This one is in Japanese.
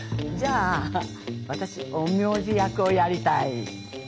じゃあ私陰陽師役をやりたい！